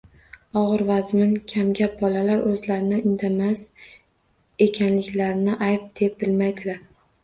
Og‘ir-vazmin, kamgap bolalar o‘zlarining indamas ekanliklarini ayb deb bilmaydilar